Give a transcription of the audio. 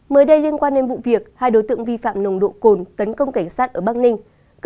mới đây liên quan đến vụ việc hai đối tượng vi phạm nồng độ cồn tấn công cảnh sát ở bắc ninh